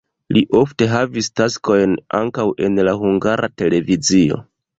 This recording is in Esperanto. Li ofte havis taskojn ankaŭ en la Hungara Televizio.